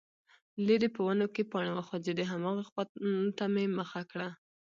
ليرې په ونو کې پاڼې وخوځېدې، هماغې خواته مې مخه کړه،